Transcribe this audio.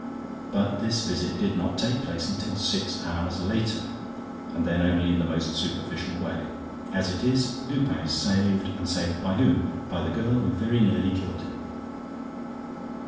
But this visit did not take place until six hours later and then only in the most superficial way. As it is, Lupin is saved; and saved by whom? By the girl who very nearly killed him.